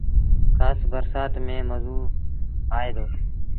کآس برسآت ميݩ مزو آئي دو۔